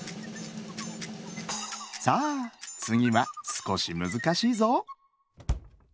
さあつぎはすこしむずかしいぞ。